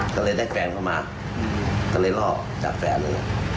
ก็เลยได้แฟนเข้ามาก็เลยรอดจากแฟนเลย